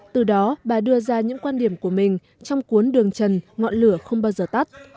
từ đó bà đưa ra những quan điểm của mình trong cuốn đường trần ngọn lửa không bao giờ tắt